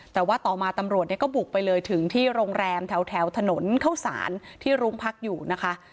แต่ว่าต่อมาตำรวจเนี่ยก็บุกไปเลยถึงที่โรงแรมแถวถนนเข้าสารที่รุ้งพักอยู่นะคะ